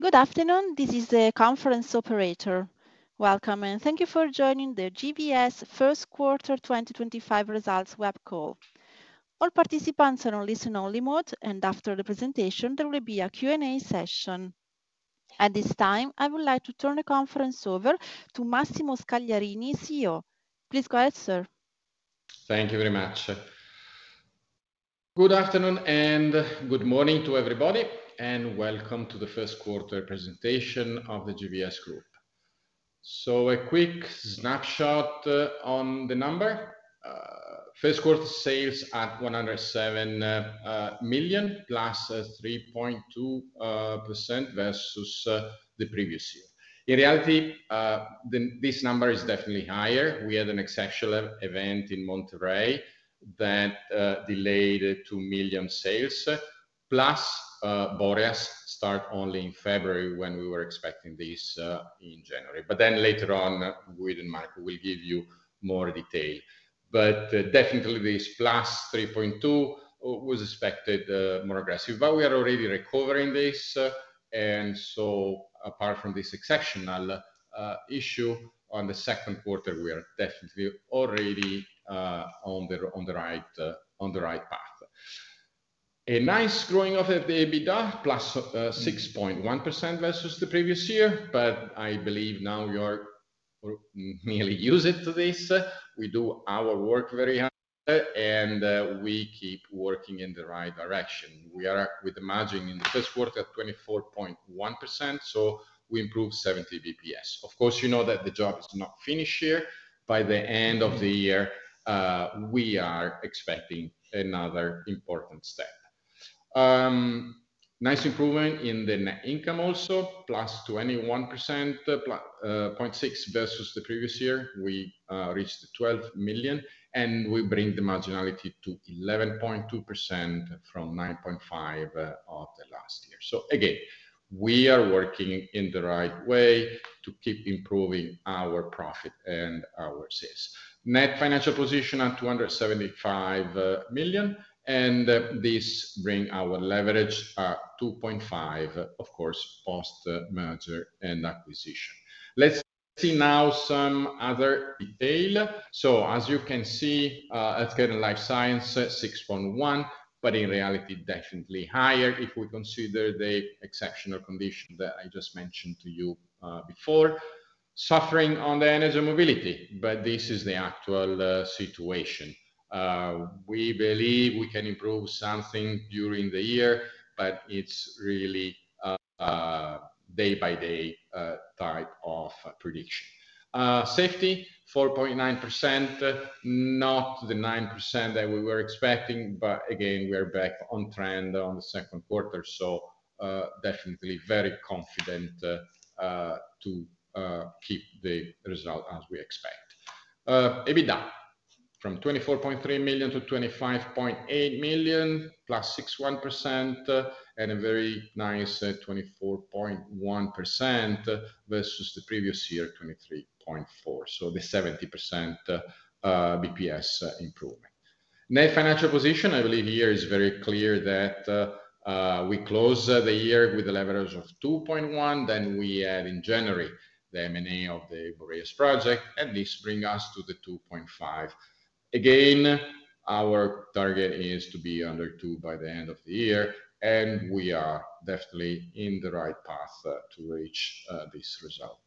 Good afternoon, this is the conference operator. Welcome, and thank you for joining the GVS First Quarter 2025 results web call. All participants are on listen-only mode, and after the presentation, there will be a Q&A session. At this time, I would like to turn the conference over to Massimo Scagliarini, CEO. Please go ahead, sir. Thank you very much. Good afternoon and good morning to everybody, and welcome to the first quarter presentation of the GVS Group. A quick snapshot on the number: first quarter sales at 107 million, +3.2% versus the previous year. In reality, this number is definitely higher. We had an exceptional event in Monterey that delayed 2 million sales, plus Boreas start only in February when we were expecting this in January. Later on, Guido and Marco will give you more detail. This +3.2% was expected more aggressive, but we are already recovering this. Apart from this exceptional issue on the second quarter, we are definitely already on the right path. A nice growing of the EBITDA, +6.1% versus the previous year, but I believe now you nearly use it to this. We do our work very hard, and we keep working in the right direction. We are with the margin in the first quarter at 24.1%, so we improved 70 basis points. Of course, you know that the job is not finished here. By the end of the year, we are expecting another important step. Nice improvement in the net income also, +21.6% versus the previous year. We reached 12 million, and we bring the marginality to 11.2% from 9.5% of the last year. Again, we are working in the right way to keep improving our profit and our sales. Net financial position at 275 million, and this brings our leverage at 2.5%, of course, post-merger and acquisition. Let's see now some other detail. As you can see, Earth, Air, and Life science 6.1%, but in reality, definitely higher if we consider the exceptional condition that I just mentioned to you before. Suffering on the energy mobility, but this is the actual situation. We believe we can improve something during the year, but it is really day-by-day type of prediction. Safety, 4.9%, not the 9% that we were expecting, but again, we are back on trend on the second quarter. Definitely very confident to keep the result as we expect. EBITDA from 24.3 million to 25.8 million, +61%, and a very nice 24.1% versus the previous year, 23.4%. The 70 basis points improvement. Net financial position, I believe here is very clear that we close the year with a leverage of 2.1%. We had in January the M&A of the Boreas project, and this brings us to the 2.5%. Again, our target is to be under 2% by the end of the year, and we are definitely in the right path to reach this result.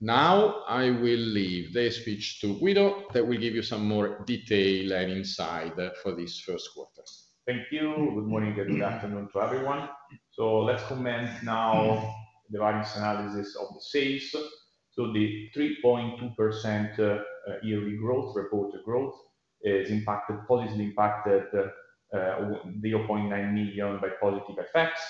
Now, I will leave the speech to Guido that will give you some more detail and insight for this first quarter. Thank you. Good morning and good afternoon to everyone. Let's comment now on the various analysis of the sales. The 3.2% yearly growth, reported growth, is impacted, positively impacted, 0.9 million by positive effects,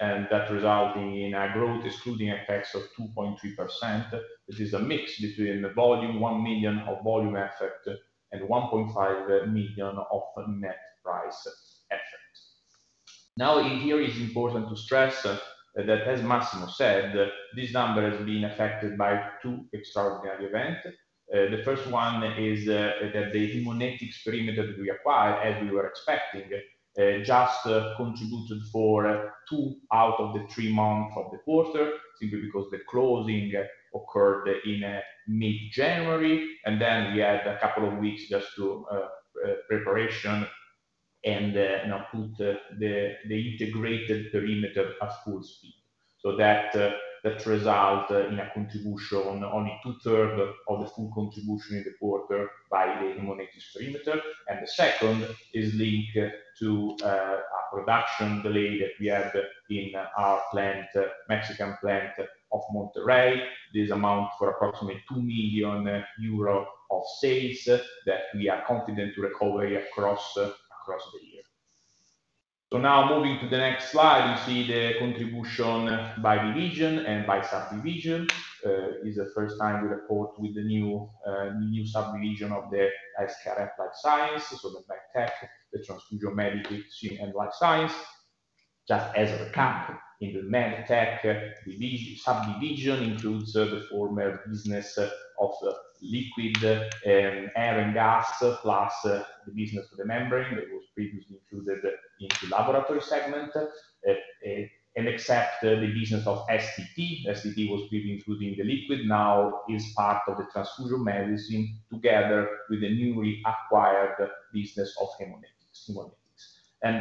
and that resulting in a growth excluding effects of 2.3%. This is a mix between the volume, 1 million of volume effect, and 1.5 million of net price effect. Here it's important to stress that, as Massimo said, this number has been affected by two extraordinary events. The first one is that the Haemonetics experiment that we acquired, as we were expecting, just contributed for two out of the three months of the quarter, simply because the closing occurred in mid-January. Then we had a couple of weeks just for preparation and to put the integrated perimeter at full speed. That resulted in a contribution on only two-thirds of the full contribution in the quarter by the hemolytic perimeter. The second is linked to a production delay that we had in our Mexican plant of Monterey. This amounted for approximately 2 million euro of sales that we are confident to recover across the year. Now moving to the next slide, you see the contribution by division and by subdivision. This is the first time we report with the new subdivision of the Healthcare and Life Science, so the MedTech, the Transfusion Medicine, and Life Science. Just as a recap, in the MedTech subdivision includes the former business of liquid and air and gas, plus the business of the membrane that was previously included in the laboratory segment, and except the business of STT. STT was previously included in the liquid, now is part of the Transfusion Medicine together with the newly acquired business of Haemonetics.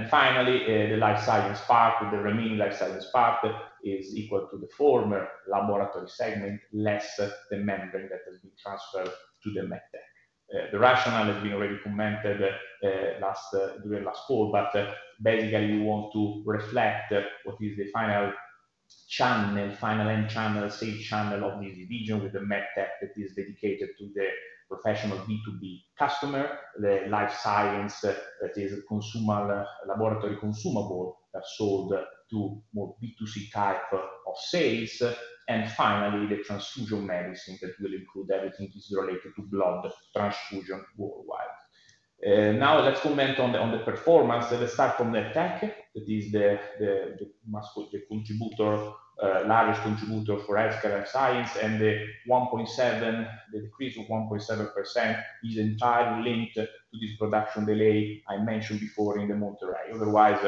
Finally, the life science part, the remaining life science part, is equal to the former laboratory segment less the membrane that has been transferred to the MedTech. The rationale has been already commented during last call, but basically, we want to reflect what is the final channel, final end channel, sales channel of this division with the MedTech that is dedicated to the professional B2B customer, the life science that is consumable, laboratory consumable sold to more B2C type of sales, and finally, the Transfusion Medicine that will include everything that is related to blood transfusion worldwide. Now, let's comment on the performance. Let's start from the Tech, that is the contributor, largest contributor for Healthcare and Science, and the decrease of 1.7% is entirely linked to this production delay I mentioned before in the Monterey. Otherwise,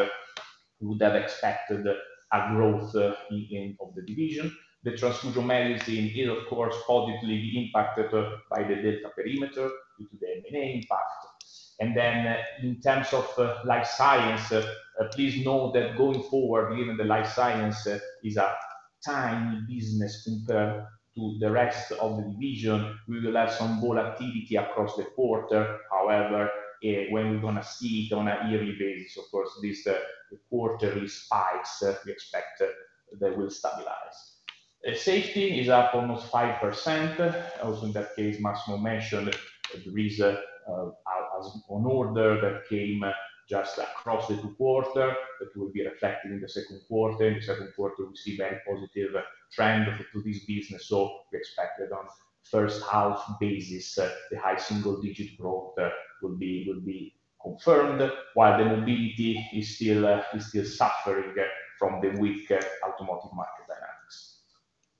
we would have expected a growth in the division. The Transfusion Medicine is, of course, positively impacted by the Delta perimeter due to the M&A impact. In terms of life science, please note that going forward, given the life science is a tiny business compared to the rest of the division, we will have some volatility across the quarter. However, when we're going to see it on a yearly basis, of course, this quarterly spikes we expect that will stabilize. Safety is up almost 5%. Also, in that case, Massimo mentioned that there is an order that came just across the two quarters that will be reflected in the second quarter. In the second quarter, we see a very positive trend to this business. We expect that on the first half basis, the high single-digit growth will be confirmed, while the mobility is still suffering from the weak automotive market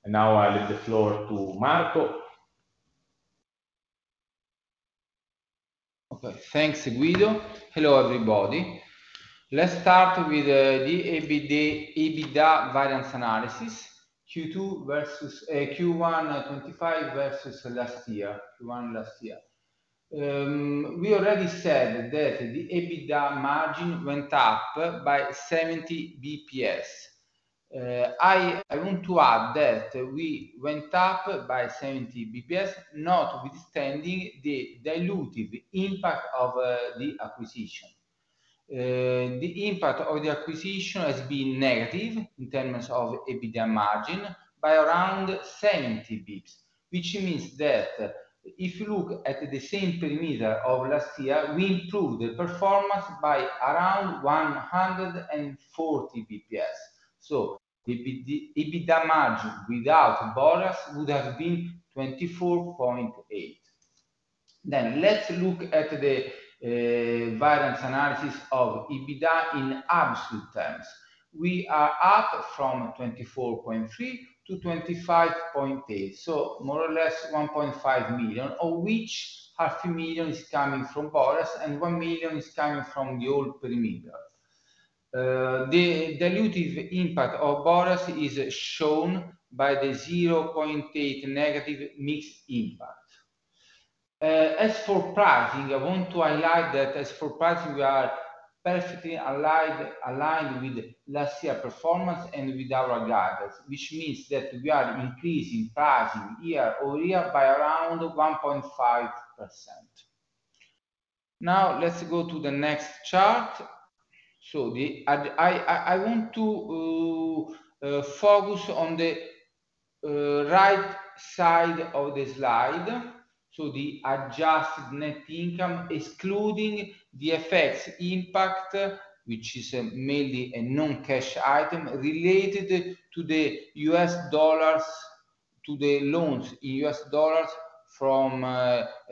dynamics. I will now leave the floor to Marco. Okay, thanks, Guido. Hello, everybody. Let's start with the EBITDA variance analysis, Q1 2025 versus last year, Q1 last year. We already said that the EBITDA margin went up by 70 basis points. I want to add that we went up by 70 basis points, notwithstanding the dilutive impact of the acquisition. The impact of the acquisition has been negative in terms of EBITDA margin by around 70 basis points, which means that if you look at the same perimeter of last year, we improved the performance by around 140 basis points. The EBITDA margin without Boreas would have been 24.8%. Let's look at the variance analysis of EBITDA in absolute terms. We are up from 24.3 million to 25.8 million, so more or less 1.5 million, of which 500,000 is coming from Boreas and 1 million is coming from the old perimeter. The dilutive impact of Boreas is shown by the 0.8% negative mixed impact. As for pricing, I want to highlight that as for pricing, we are perfectly aligned with last year's performance and with our guidance, which means that we are increasing pricing year over year by around 1.5%. Now, let's go to the next chart. I want to focus on the right side of the slide. The adjusted net income excluding the FX impact, which is mainly a non-cash item related to the US dollars to the loans in US dollars from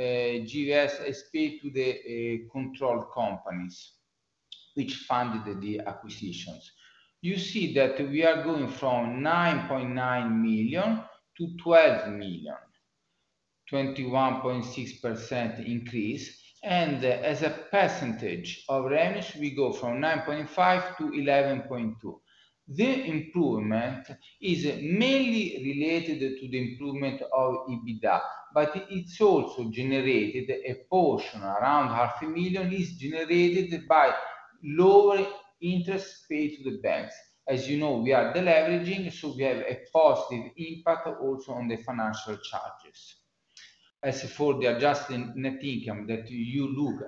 GVS SP to the controlled companies which funded the acquisitions. You see that we are going from 9.9 million to 12 million, 21.6% increase, and as a percentage of revenues, we go from 9.5% to 11.2%. The improvement is mainly related to the improvement of EBITDA, but it is also generated, a portion, around $500,000, is generated by lower interest paid to the banks. As you know, we are deleveraging, so we have a positive impact also on the financial charges. As for the adjusted net income that you look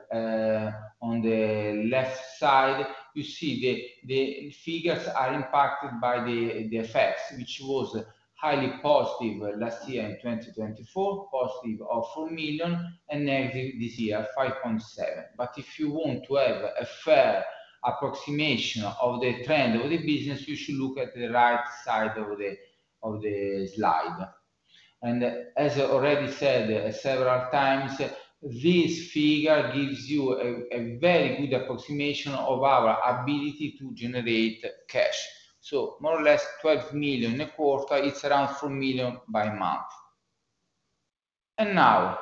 on the left side, you see the figures are impacted by the FX, which was highly positive last year in 2023, positive of 4 million, and negative this year, 5.7 million. If you want to have a fair approximation of the trend of the business, you should look at the right side of the slide. As I already said several times, this figure gives you a very good approximation of our ability to generate cash. More or less 12 million in a quarter, it is around 4 million by month. Now,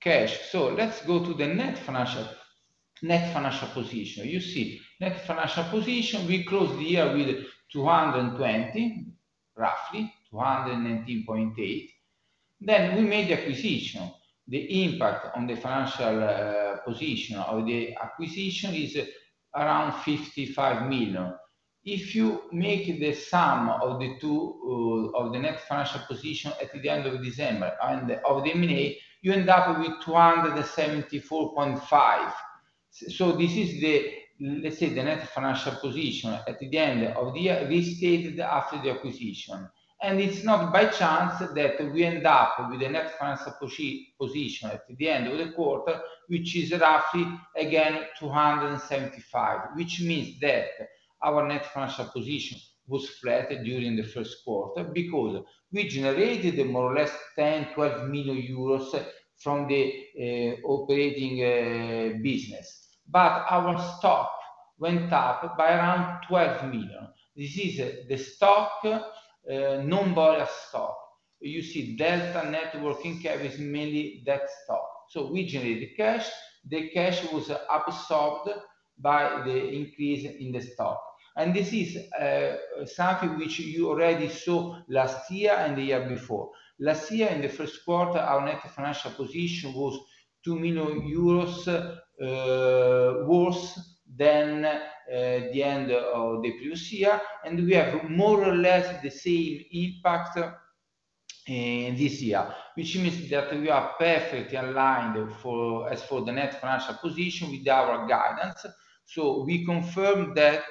cash. Let's go to the net financial position. You see, net financial position, we closed the year with 220 million, roughly 219.8 million. We made the acquisition. The impact on the financial position of the acquisition is around 55 million. If you make the sum of the two, of the net financial position at the end of December and of the M&A, you end up with 274.5 million. This is the, let's say, the net financial position at the end of the year restated after the acquisition. It's not by chance that we end up with a net financial position at the end of the quarter, which is roughly, again, 275 million, which means that our net financial position was flat during the first quarter because we generated more or less 10 million-12 million euros from the operating business. Our stock went up by around 12 million. This is the stock, non-Boreas stock. You see Delta Network in case is mainly that stock. We generated cash. The cash was absorbed by the increase in the stock. This is something which you already saw last year and the year before. Last year, in the first quarter, our net financial position was 2 million euros worse than the end of the previous year. We have more or less the same impact this year, which means that we are perfectly aligned as for the net financial position with our guidance. We confirm that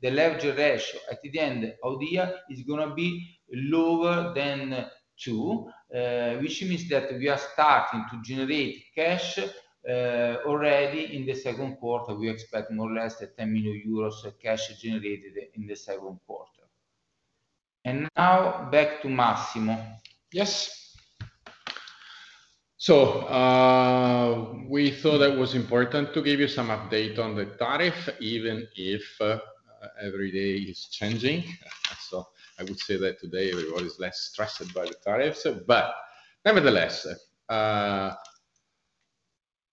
the leverage ratio at the end of the year is going to be lower than 2, which means that we are starting to generate cash already in the second quarter. We expect more or less 10 million euros of cash generated in the second quarter. Now back to Massimo. Yes. We thought it was important to give you some update on the tariff, even if every day is changing. I would say that today everyone is less stressed by the tariffs. Nevertheless,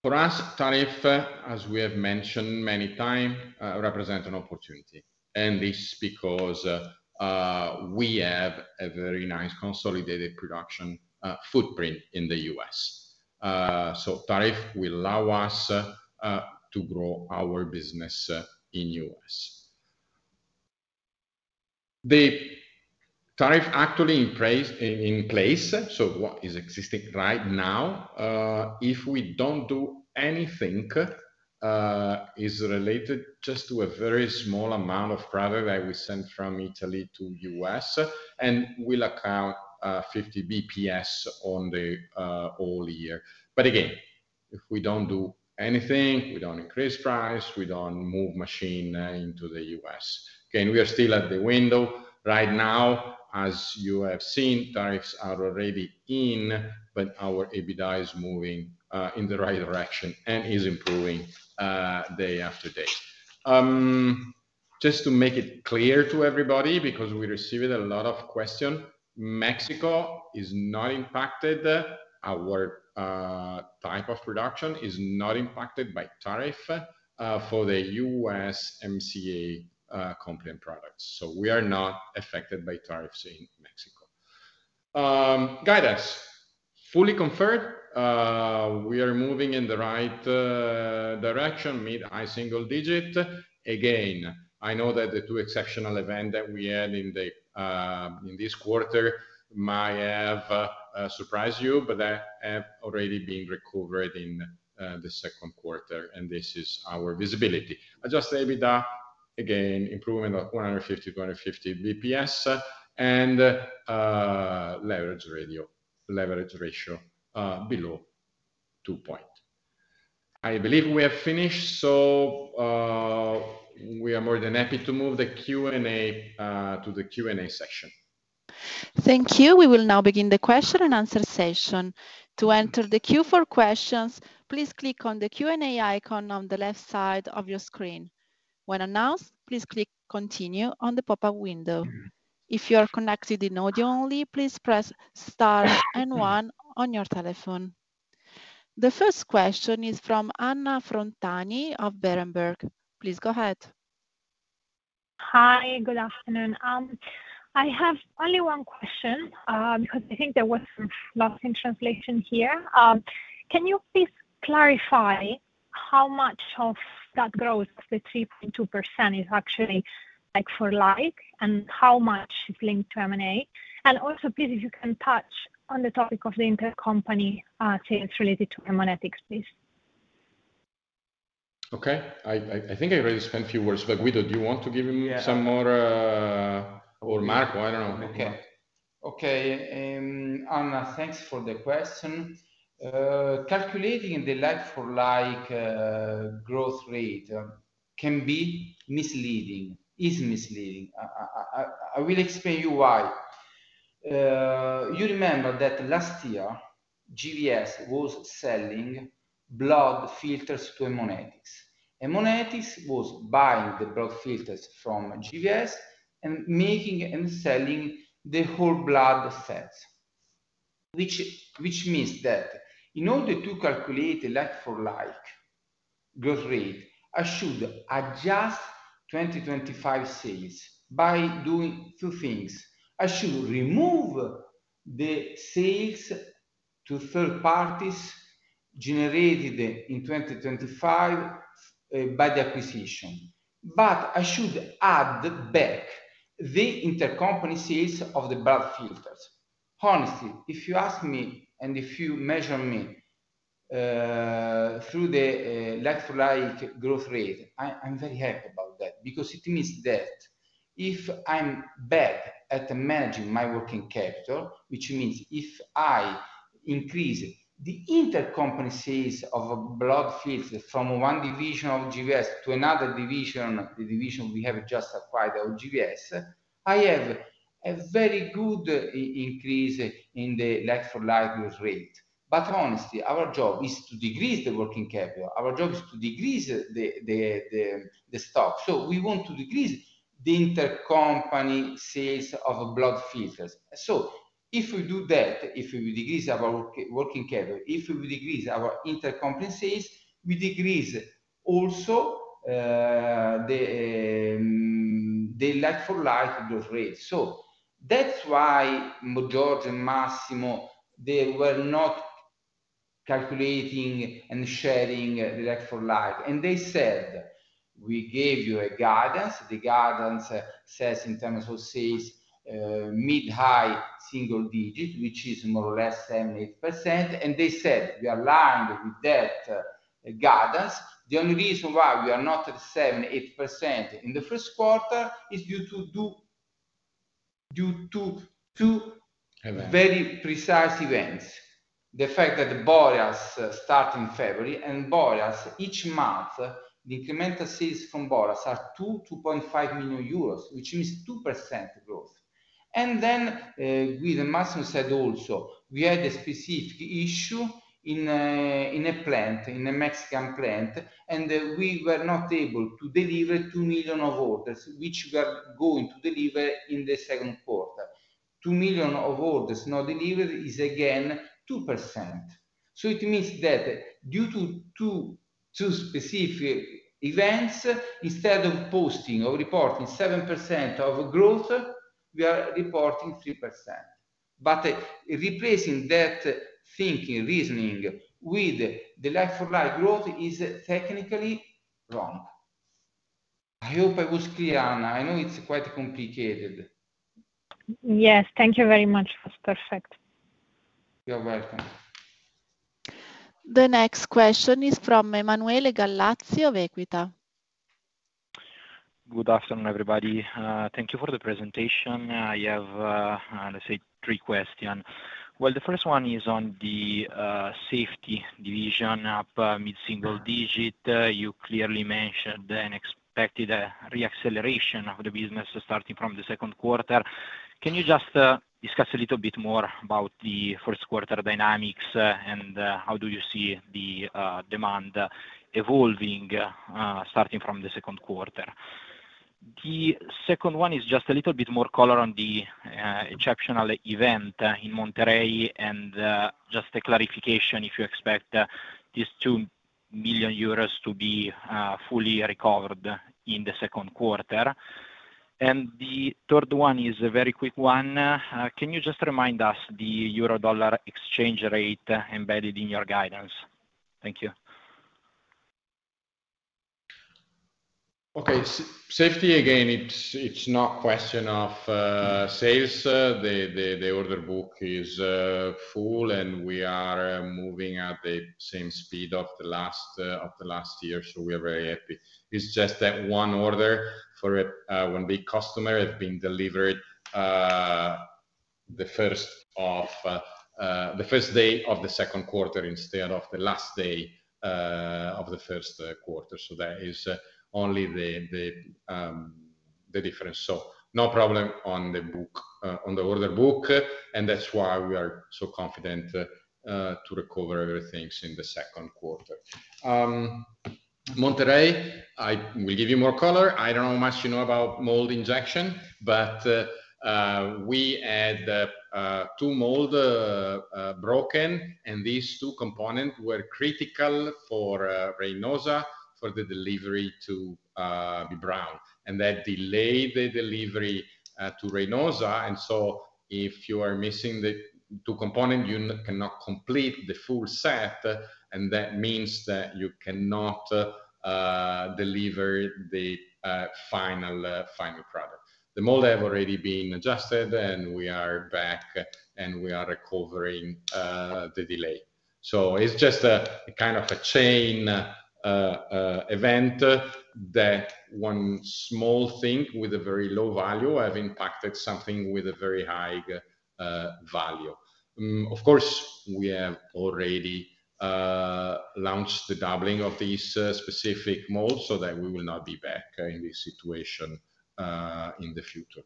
for us, tariff, as we have mentioned many times, represents an opportunity. This is because we have a very nice consolidated production footprint in the U.S. Tariff will allow us to grow our business in the U.S. The tariff actually in place, so what is existing right now, if we do not do anything, is related just to a very small amount of product that we send from Italy to the U.S. and will account for 50 basis points on the whole year. Again, if we do not do anything, we do not increase price, we do not move machine into the U.S. Okay, and we are still at the window. Right now, as you have seen, tariffs are already in, but our EBITDA is moving in the right direction and is improving day after day. Just to make it clear to everybody, because we received a lot of questions, Mexico is not impacted. Our type of production is not impacted by tariff for the USMCA compliant products. We are not affected by tariffs in Mexico. Guidance, fully conferred. We are moving in the right direction, mid-high single digit. Again, I know that the two exceptional events that we had in this quarter might have surprised you, but they have already been recovered in the second quarter, and this is our visibility. Adjusted EBITDA, again, improvement of 150-250 basis points, and leverage ratio below 2. I believe we have finished, so we are more than happy to move to the Q&A section. Thank you. We will now begin the question and answer session. To enter the queue for questions, please click on the Q&A icon on the left side of your screen. When announced, please click Continue on the pop-up window. If you are connected in audio only, please press star and one on your telephone. The first question is from Anna Frontani of Berenberg. Please go ahead. Hi, good afternoon. I have only one question because I think there was some lost in translation here. Can you please clarify how much of that growth, the 3.2%, is actually like for like and how much is linked to M&A? Also, please, if you can touch on the topic of the intercompany sales related to M&A techs, please. Okay. I think I already spent a few words, but Guido, do you want to give him some more or Marco? I do not know. Okay. Okay. Anna, thanks for the question. Calculating the like-for-like growth rate can be misleading, is misleading. I will explain to you why. You remember that last year, GVS was selling blood filters to Haemonetics. Haemonetics was buying the blood filters from GVS and making and selling the whole blood sets, which means that in order to calculate the like-for-like growth rate, I should adjust 2025 sales by doing two things. I should remove the sales to third parties generated in 2025 by the acquisition, but I should add back the intercompany sales of the blood filters. Honestly, if you ask me and if you measure me through the like-for-like growth rate, I'm very happy about that because it means that if I'm bad at managing my working capital, which means if I increase the intercompany sales of blood filters from one division of GVS to another division, the division we have just acquired at GVS, I have a very good increase in the like-for-like growth rate. Honestly, our job is to decrease the working capital. Our job is to decrease the stock. We want to decrease the intercompany sales of blood filters. If we do that, if we decrease our working capital, if we decrease our intercompany sales, we decrease also the like-for-like growth rate. That is why Giorgio and Massimo, they were not calculating and sharing the like-for-like. They said, "We gave you a guidance." The guidance says in terms of sales, mid-high single digit, which is more or less 7%-8%. They said, "We are aligned with that guidance. The only reason why we are not at 7%-8% in the first quarter is due to two very precise events." The fact that Boreas start in February and Boreas, each month, the incremental sales from Boreas are 2.5 million euros, which means 2% growth. Guido Massimo said also, "We had a specific issue in a plant, in a Mexican plant, and we were not able to deliver 2 million of orders, which we are going to deliver in the second quarter. 2 million of orders not delivered is again 2%." It means that due to two specific events, instead of posting or reporting 7% of growth, we are reporting 3%. Replacing that thinking, reasoning with the like-for-like growth is technically wrong. I hope I was clear, Anna. I know it's quite complicated. Yes. Thank you very much. It was perfect. You're welcome. The next question is from Emanuele Gallazzi of Equita. Good afternoon, everybody. Thank you for the presentation. I have, let's say, three questions. The first one is on the safety division up mid-single digit. You clearly mentioned an expected reacceleration of the business starting from the second quarter. Can you just discuss a little bit more about the first quarter dynamics and how do you see the demand evolving starting from the second quarter? The second one is just a little bit more color on the exceptional event in Monterey and just a clarification if you expect these 2 million euros to be fully recovered in the second quarter. The third one is a very quick one. Can you just remind us the euro-dollar exchange rate embedded in your guidance? Thank you. Okay. Safety, again, it's not a question of sales. The order book is full, and we are moving at the same speed of last year, so we are very happy. It's just that one order for one big customer has been delivered the first of the first day of the second quarter instead of the last day of the first quarter. That is only the difference. No problem on the book, on the order book, and that's why we are so confident to recover everything in the second quarter. Monterey, I will give you more color. I don't know how much you know about mold injection, but we had two molds broken, and these two components were critical for Reynosa for the delivery to be brown. That delayed the delivery to Reynosa. If you are missing the two components, you cannot complete the full set, and that means that you cannot deliver the final product. The mold has already been adjusted, and we are back, and we are recovering the delay. It is just a kind of a chain event that one small thing with a very low value has impacted something with a very high value. Of course, we have already launched the doubling of these specific molds so that we will not be back in this situation in the future.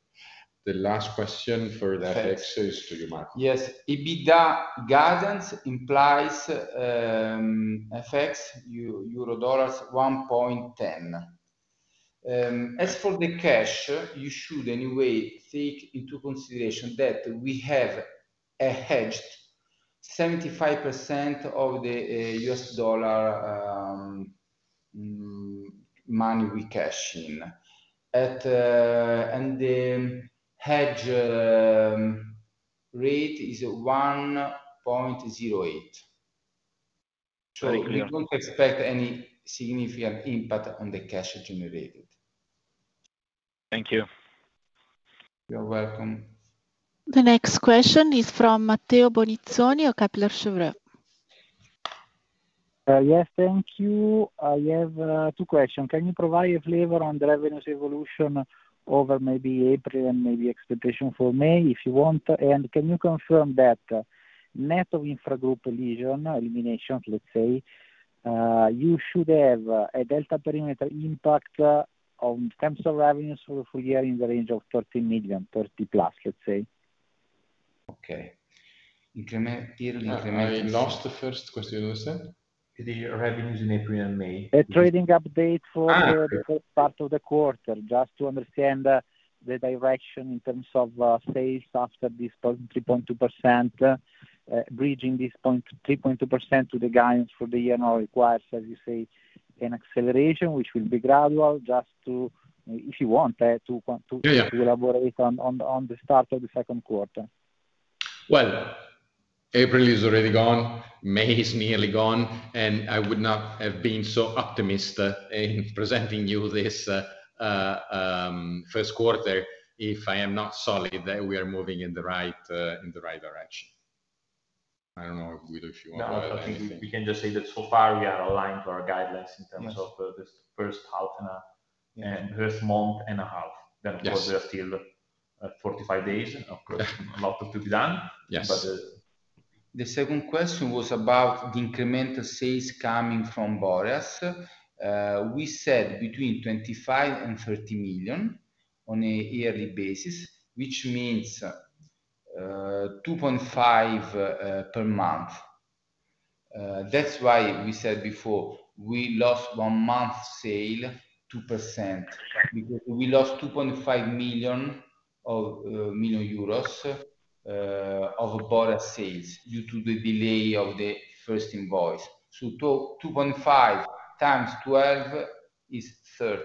The last question for the effects is to you, Marco. Yes. EBITDA guidance implies effects, euro-dollars, 1.10. As for the cash, you should anyway take into consideration that we have hedged 75% of the US dollar money we cash in. The hedge rate is 1.08. We do not expect any significant impact on the cash generated. Thank you. You're welcome. The next question is from Matteo Bonizzoni of Kepler Cheuvreux. Yes, thank you. I have two questions. Can you provide a flavor on the revenue's evolution over maybe April and maybe expectation for May, if you want? Can you confirm that net of intra group collision eliminations, let's say, you should have a delta perimeter impact on terms of revenues for the full year in the range of 30 million, 30+ million, let's say? Okay. I lost the first question you were going to say? The revenues in April and May. A trading update for the first part of the quarter, just to understand the direction in terms of sales after this 3.2%, bridging this 3.2% to the guidance for the year now requires, as you say, an acceleration, which will be gradual, just to, if you want, to elaborate on the start of the second quarter. April is already gone. May is nearly gone. I would not have been so optimistic in presenting you this first quarter if I am not solid that we are moving in the right direction. I do not know, Guido, if you want to add anything. We can just say that so far we are aligned to our guidelines in terms of this first half and a half, first month and a half. Of course, there are still 45 days. Of course, a lot of work to be done, but. The second question was about the incremental sales coming from Boreas. We said between 25 million and 30 million on a yearly basis, which means 2.5 million per month. That is why we said before we lost one month's sale, 2%, because we lost 2.5 million of Boreas sales due to the delay of the first invoice. 2.5 x 12 is 30.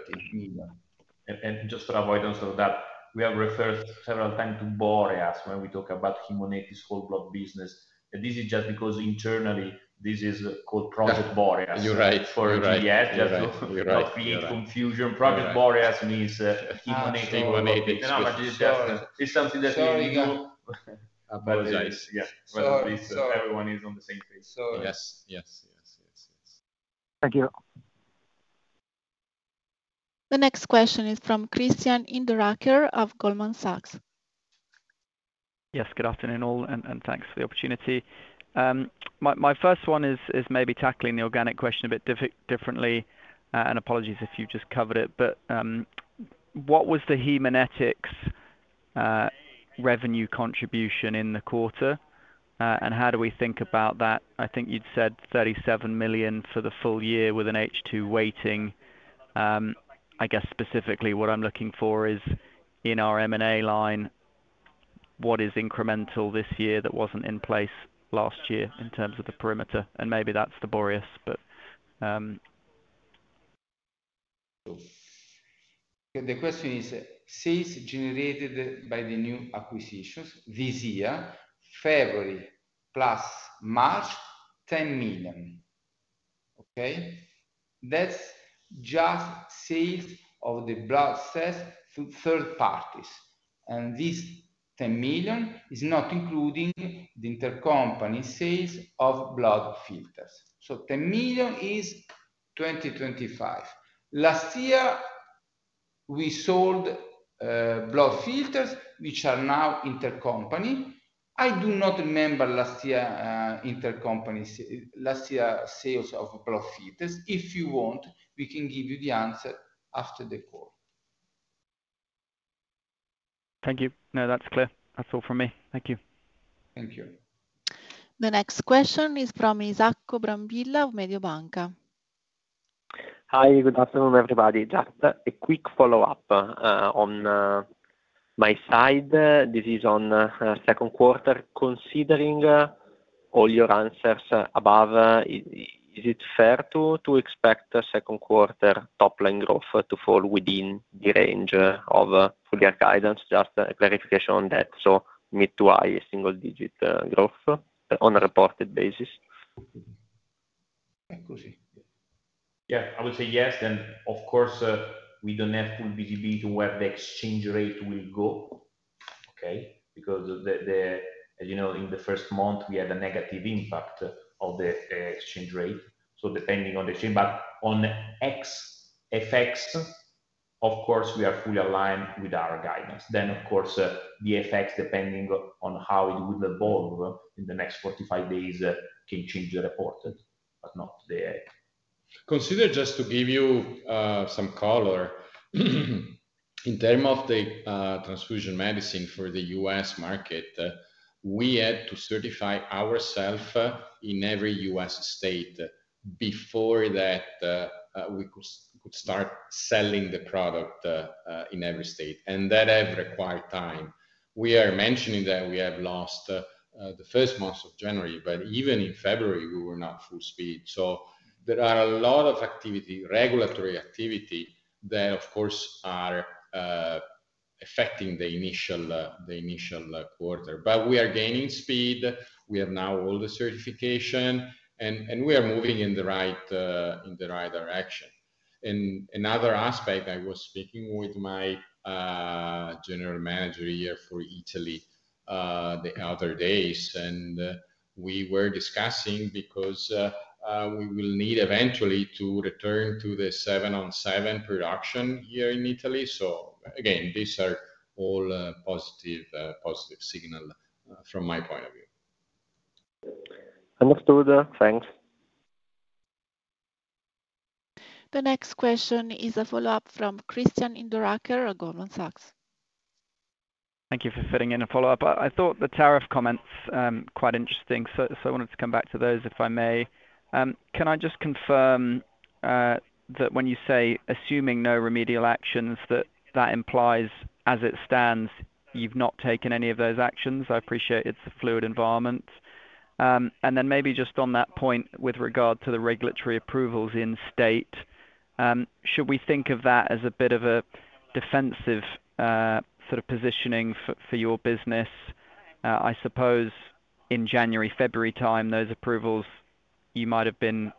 Just for avoidance of that, we have referred several times to Boreas when we talk about Haemonetics whole blood business. This is just because internally this is called Project Boreas. You're right. You're right. For GVS, just to create confusion. Project Boreas means Haemonetics. It's something that we do. Apologize. Yeah. So everyone is on the same page. Yes. Thank you. The next question is from Christian Hinderaker of Goldman Sachs. Yes. Good afternoon all, and thanks for the opportunity. My first one is maybe tackling the organic question a bit differently, and apologies if you've just covered it, but what was the Haemonetics revenue contribution in the quarter, and how do we think about that? I think you'd said 37 million for the full year with an H2 weighting. I guess specifically what I'm looking for is in our M&A line, what is incremental this year that was not in place last year in terms of the perimeter? And maybe that is the Boreas, but. The question is sales generated by the new acquisitions this year, February plus March, 10 million. Okay? That's just sales of the blood cells to third parties. And this 10 million is not including the intercompany sales of blood filters. So, 10 million is 2025. Last year, we sold blood filters, which are now intercompany. I do not remember last year's intercompany sales of blood filters. If you want, we can give you the answer after the call. Thank you. No, that's clear. That's all from me. Thank you. Thank you. The next question is from Isacco Brambilla of Mediobanca. Hi. Good afternoon, everybody. Just a quick follow-up on my side. This is on second quarter. Considering all your answers above, is it fair to expect second quarter top-line growth to fall within the range of earlier guidance? Just a clarification on that. So, mid to high single-digit growth on a reported basis. Yeah. I would say yes. Of course, we do not have full visibility where the exchange rate will go, okay? Because, as you know, in the first month, we had a negative impact of the exchange rate. Depending on the exchange, but on FX, of course, we are fully aligned with our guidance. Of course, the FX, depending on how it will evolve in the next 45 days, can change the reported, but not the. Consider just to give you some color. In terms of the transfusion medicine for the U.S. market, we had to certify ourselves in every U.S. state before that we could start selling the product in every state. That has required time. We are mentioning that we have lost the first month of January, but even in February, we were not full speed. There are a lot of regulatory activity that, of course, are affecting the initial quarter. We are gaining speed. We have now all the certification, and we are moving in the right direction. Another aspect, I was speaking with my general manager here for Italy the other days, and we were discussing because we will need eventually to return to the seven-on-seven production here in Italy. These are all positive signals from my point of view. Thanks. The next question is a follow-up from Christian Hinderaker of Goldman Sachs. Thank you for fitting in a follow-up. I thought the tariff comments were quite interesting, so I wanted to come back to those, if I may. Can I just confirm that when you say, "Assuming no remedial actions," that that implies, as it stands, you've not taken any of those actions? I appreciate it's a fluid environment. Maybe just on that point with regard to the regulatory approvals in state, should we think of that as a bit of a defensive sort of positioning for your business? I suppose in January, February time, those approvals, you might have been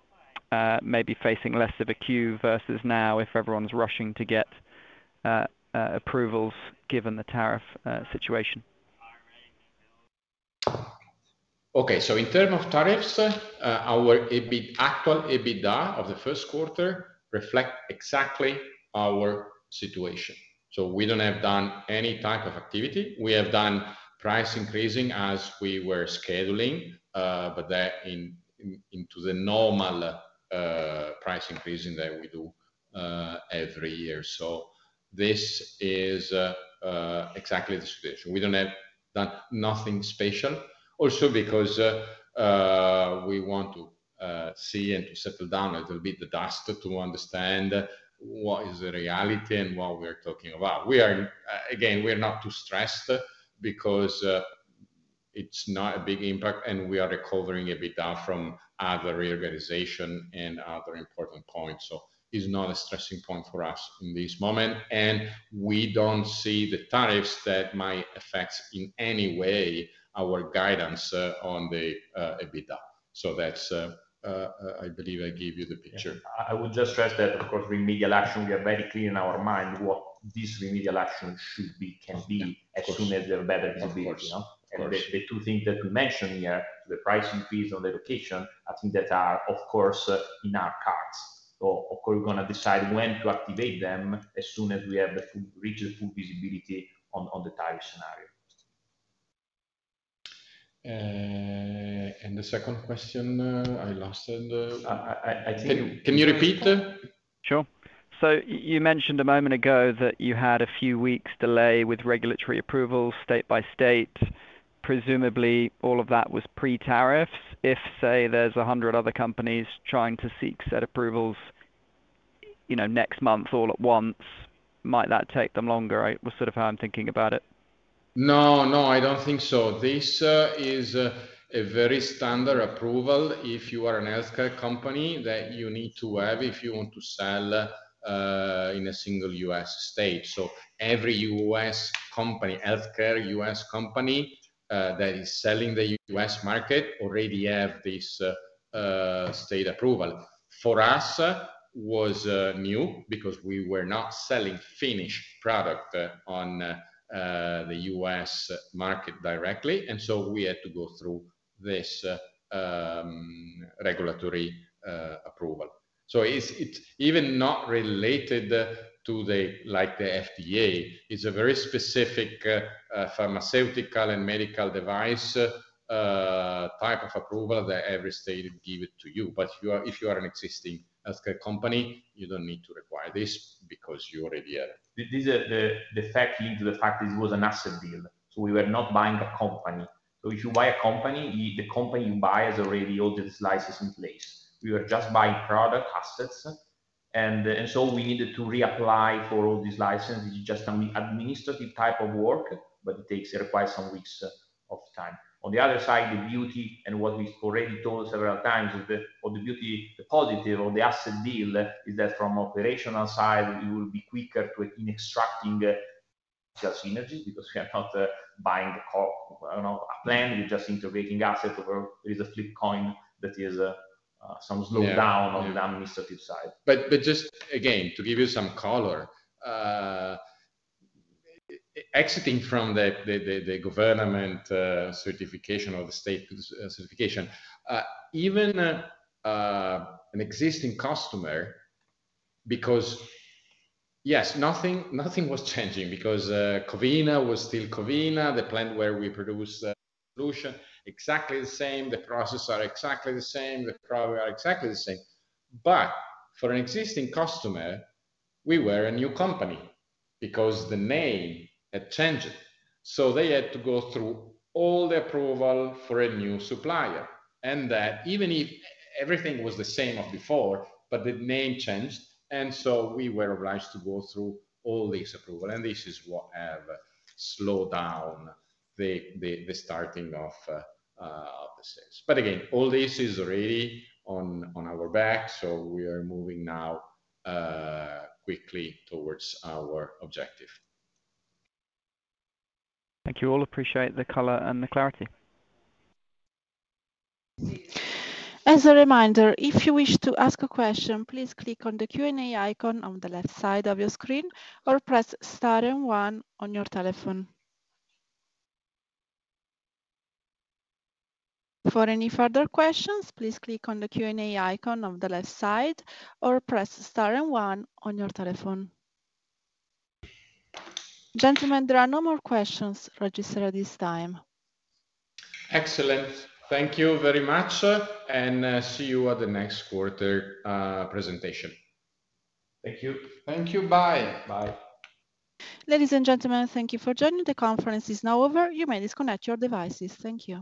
maybe facing less of a queue versus now if everyone's rushing to get approvals given the tariff situation. Okay. In terms of tariffs, our actual EBITDA of the first quarter reflects exactly our situation. We have not done any type of activity. We have done price increasing as we were scheduling, but that is the normal price increasing that we do every year. This is exactly the situation. We have not done anything special. Also, because we want to see and to settle down a little bit the dust to understand what is the reality and what we are talking about. Again, we are not too stressed because it is not a big impact, and we are recovering EBITDA from other reorganization and other important points. It is not a stressing point for us in this moment. We do not see the tariffs that might affect in any way our guidance on the EBITDA. I believe I gave you the picture. I would just stress that, of course, remedial action, we are very clear in our mind what this remedial action should be, can be as soon as there are better visibility. The two things that we mentioned here, the pricing fees on the location, I think that are, of course, in our cards. Of course, we're going to decide when to activate them as soon as we have reached full visibility on the tariff scenario. The second question, I lost it. Can you repeat? Sure. You mentioned a moment ago that you had a few weeks' delay with regulatory approvals state by state. Presumably, all of that was pre-tariffs. If, say, there are 100 other companies trying to seek said approvals next month all at once, might that take them longer? That was sort of how I'm thinking about it. No, no, I do not think so. This is a very standard approval if you are a healthcare company that you need to have if you want to sell in a single U.S. state. Every U.S. company, healthcare U.S. company that is selling the U.S. market already has this state approval. For us, it was new because we were not selling finished product on the U.S. market directly. We had to go through this regulatory approval. It is even not related to the FDA. It is a very specific pharmaceutical and medical device type of approval that every state will give to you. If you are an existing healthcare company, you do not need to require this because you already have. This is the fact linked to the fact that it was an asset deal. We were not buying a company. If you buy a company, the company you buy has already all these licenses in place. We were just buying product assets, and we needed to reapply for all these licenses. It is just an administrative type of work, but it requires some weeks of time. On the other side, the beauty and what we have already told several times is that the beauty, the positive of the asset deal is that from an operational side, it will be quicker to extracting just synergies because we are not buying a plan. We are just integrating assets. There is a flip coin that is some slowdown on the administrative side. Just again, to give you some color, exiting from the government certification or the state certification, even an existing customer, because yes, nothing was changing because Covina was still Covina, the plant where we produce solution, exactly the same. The processes are exactly the same. The products are exactly the same. For an existing customer, we were a new company because the name had changed. They had to go through all the approval for a new supplier. Even if everything was the same as before, the name changed. We were obliged to go through all these approvals. This is what has slowed down the starting of the sales. All this is already on our back. We are moving now quickly towards our objective. Thank you all. Appreciate the color and the clarity. As a reminder, if you wish to ask a question, please click on the Q&A icon on the left side of your screen or press star and one on your telephone. For any further questions, please click on the Q&A icon on the left side or press star and one on your telephone. Gentlemen, there are no more questions registered at this time. Excellent. Thank you very much. See you at the next quarter presentation. Thank you. Thank you. Bye. Bye. Ladies and gentlemen, thank you for joining. The conference is now over. You may disconnect your devices. Thank you.